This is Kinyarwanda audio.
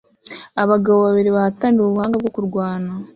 Abagabo babiri bahatanira ubuhanga bwo kurwana